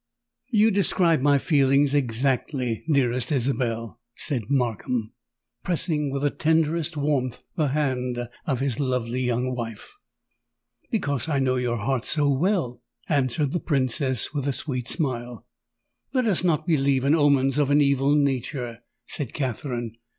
"You describe my feelings exactly, dearest Isabel," said Markham, pressing with the tenderest warmth the hand of his lovely young wife. "Because I know your heart so well," answered the Princess, with a sweet smile. "Let us not believe in omens of an evil nature," said Katherine.